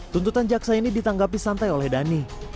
tuntutan jaksa ini ditanggapi santai oleh dhani